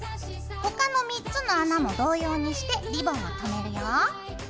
他の３つの穴も同様にしてリボンをとめるよ。